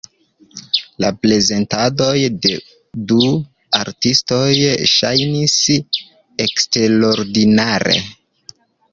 La prezentadoj de du artistoj ŝajnis eksterordinare.